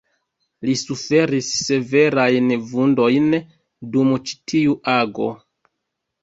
Li suferis severajn vundojn dum ĉi tiu ago.